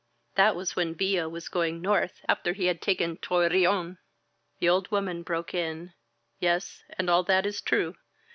That was when Villa was going north after he had taken Torreon." The old woman broke in : "Yes, and all that is true.